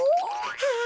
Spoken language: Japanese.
はあ。